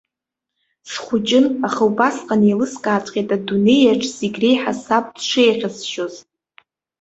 Схәыҷын, аха убасҟан еилыскааҵәҟьеит адунеиаҿ зегь реиҳа саб дшеиӷьасшьоз.